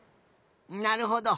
なるほど。